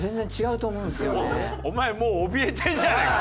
お前もうおびえてんじゃねえか！